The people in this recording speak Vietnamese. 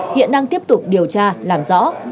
hiện đang tiếp tục điều tra làm rõ